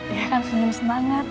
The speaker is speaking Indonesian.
ya kan senyum semangat